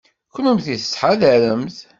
Kennemti tettḥadaremt.